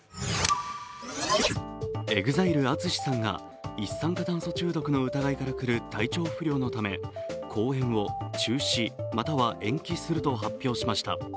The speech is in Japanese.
ＥＸＩＬＥＡＴＳＵＳＨＩさんが一酸化炭素中毒の疑いから来る体調不良のため公演を中止または延期すると発表しました。